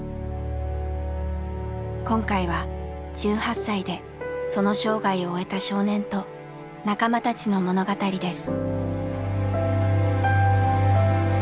今回は１８歳でその生涯を終えた少年と仲間たちの物語です。